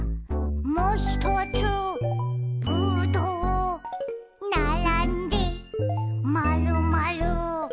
「もひとつぶどう」「ならんでまるまる」